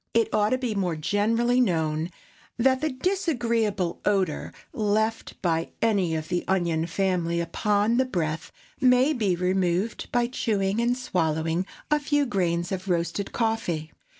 It ought to be more generally known that the disagreeable odor left by any of the onion family upon the breath may be removed by chewing and swallowing a few grains of roasted coffee.